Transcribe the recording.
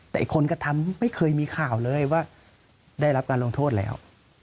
แต่คนกระทำไม่เคยมีข่าวเลยว่าได้รับการลงโทษแล้ว